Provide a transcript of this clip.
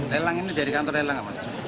lelang ini dari kantor lelang